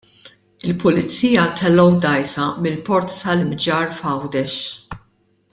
Il-pulizija tellgħu dgħajsa mill-Port tal-Imġarr f'Għawdex.